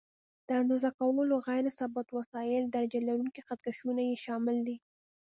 د اندازه کولو غیر ثابت وسایل: درجه لرونکي خط کشونه یې شامل دي.